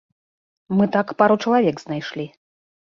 Мы так пару чалавек знайшлі.